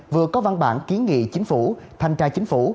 vừa có văn bản ký nghị chính phủ